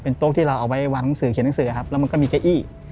โต๊ะที่เราเอาไว้วางหนังสือเขียนหนังสือครับแล้วมันก็มีเก้าอี้